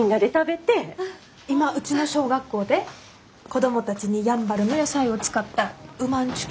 今うちの小学校で子供たちにやんばるの野菜を使ったうまんちゅ